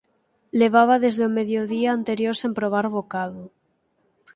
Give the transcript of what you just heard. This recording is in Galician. Levaba desde o mediodía anterior sen probar bocado.